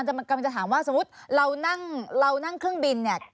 อาจารย์กำลังจะถามว่าสมมุติเรานั่งเครื่องบินเนี่ย